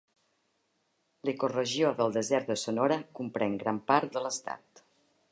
L'ecoregió del desert de Sonora comprèn gran part de l'estat.